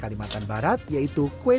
kalau misalnya kita pakai kue kue